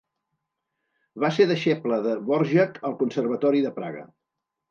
Va ser deixeble de Dvořák al Conservatori de Praga.